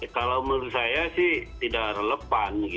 kalau menurut saya sih tidak relevan